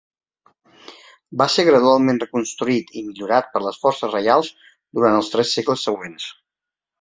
Va ser gradualment reconstruït i millorat per les forces reials durant els tres segles següents.